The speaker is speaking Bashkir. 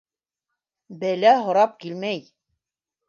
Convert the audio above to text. Бәлә һорап килмәй.